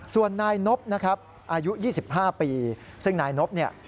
ส่วนนายนบอายุ๒๕ปีซึ่งนายนบ